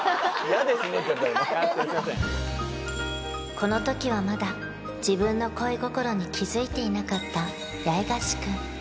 このときはまだ自分の恋心に気づいていなかった八重樫君